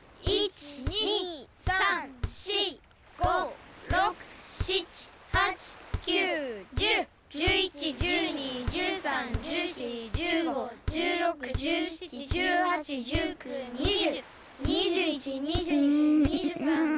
１２３４５６７８９１０１１１２１３１４１５１６１７１８１９２０。